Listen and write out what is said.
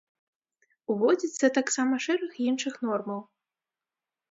Уводзіцца таксама шэраг іншых нормаў.